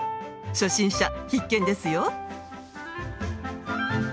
初心者必見ですよ！